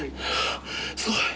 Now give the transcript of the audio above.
すごい。